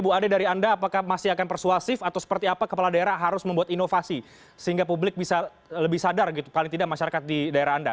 bu ade dari anda apakah masih akan persuasif atau seperti apa kepala daerah harus membuat inovasi sehingga publik bisa lebih sadar gitu paling tidak masyarakat di daerah anda